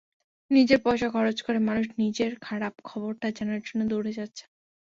নিজের পয়সা খরচ করে মানুষ নিজের খারাপ খবরটা জানার জন্য দৌড়ে যাচ্ছেন।